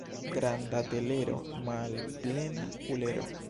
Granda telero, malplena kulero.